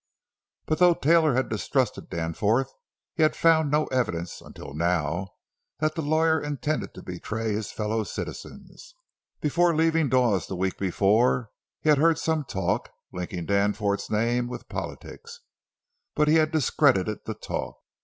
But though Taylor had distrusted Danforth, he had found no evidence—until now—that the lawyer intended to betray his fellow citizens. Before leaving Dawes the week before he had heard some talk, linking Danforth's name with politics, but he had discredited the talk.